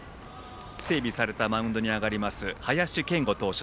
整備されたマウンドに上がります林謙吾投手